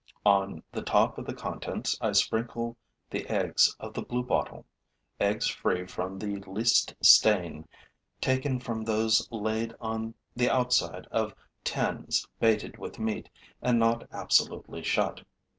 On the top of the contents, I sprinkle the eggs of the bluebottle, eggs free from the least stain, taken from those laid on the outside of tins baited with meat and not absolutely shut.